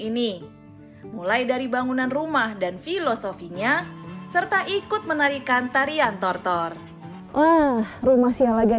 ini mulai dari bangunan rumah dan filosofinya serta ikut menarikan tarian tortor wah rumah sialaga